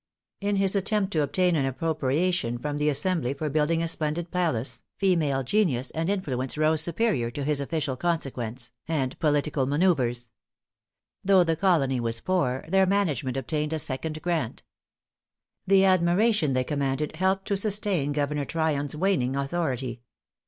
In his attempt to obtain an appropriation from the assembly for building a splendid palace, female genius and influence rose superior to his official consequence and political manouvres. Though the colony was poor, their management obtained a second grant. The admiration they commanded helped to sustain Governor Tryon's waning authority.